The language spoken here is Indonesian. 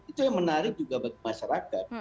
itu yang menarik juga bagi masyarakat